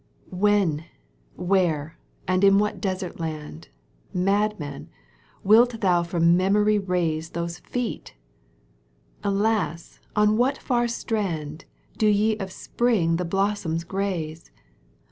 When, where, and in what desert land, Madman, wilt thou from memory raze Those feet ? Alas 1 on what far strand Do ye of spring the blossoms graze